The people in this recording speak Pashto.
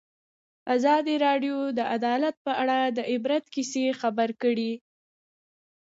ازادي راډیو د عدالت په اړه د عبرت کیسې خبر کړي.